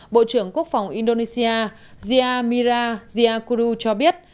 bộ trưởng quốc phòng indonesia zia mirah zia kuru cho biết